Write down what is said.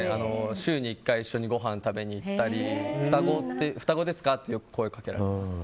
週に１回ごはん食べに行ったり双子ですかってよく声をかけられます。